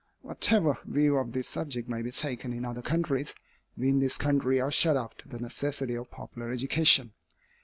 Whatever view of this subject may be taken in other countries, we in this country are shut up to the necessity of popular education.